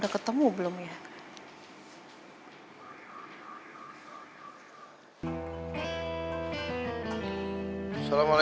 bisakah mau berbunyi tempatnya